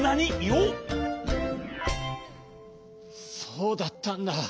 そうだったんだ。